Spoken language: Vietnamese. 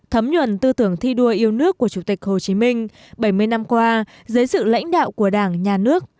thấm nhuận tư tưởng thi đua yêu nước của chủ tịch hồ chí minh bảy mươi năm qua dưới sự lãnh đạo của đảng nhà nước